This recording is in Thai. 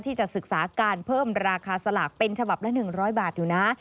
ที่จะศึกษาการเพิ่มราคาสลากเป็นฉบับละ๑๐๐บาทอยู่นะ